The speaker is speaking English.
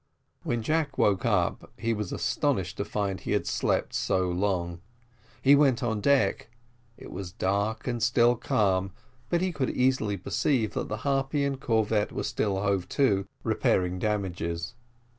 When Jack woke up he was astonished to find that he had slept so long: he went on deck; it was dark and still calm, but he could easily perceive that the Harpy and corvette were still hove to, repairing damages.